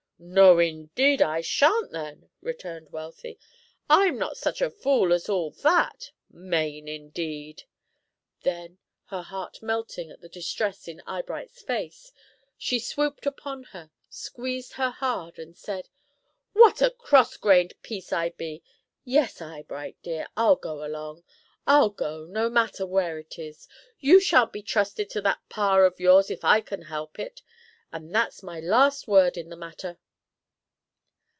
No, indeed, and I shan't then!" returned Wealthy. "I'm not such a fool as all that. Maine, indeed!" Then, her heart melting at the distress in Eyebright's face, she swooped upon her, squeezed her hard, and said: "What a cross grained piece I be! Yes, Eyebright dear, I'll go along. I'll go, no matter where it is. You shan't be trusted to that Pa of yours if I can help it; and that's my last word in the matter."